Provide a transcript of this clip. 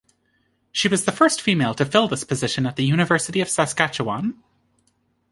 She was the first female to fill this position at the University of Saskatchewan.